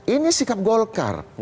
ini sikap golkar